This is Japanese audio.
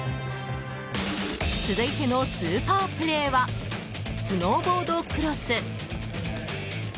続いてのスーパープレーはスノーボードクロス。